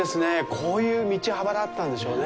こういう道幅だったんでしょうね。